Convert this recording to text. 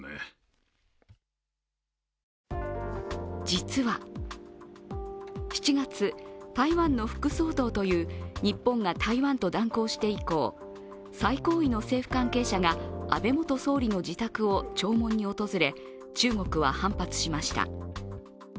実は７月、台湾の副総統という日本が台湾と断交して以降、最高位の政府関係者が安倍元総理の自宅を弔問に訪れ中国は反発しました。